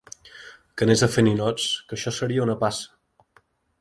Que anés a fer ninots, que això seria una passa